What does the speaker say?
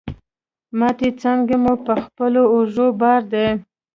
ماتي څانګي مي په خپلو اوږو بار دي